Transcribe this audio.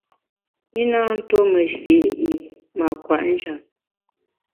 I na ntuo tuo meshi’ i mâ kwet njap.